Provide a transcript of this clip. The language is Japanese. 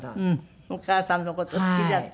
お母さんの事好きだった。